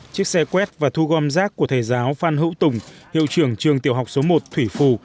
chiếc xe quét và thu gom rác của thầy giáo phan hữu tùng hiệu trưởng trường tiểu học số một thủy phù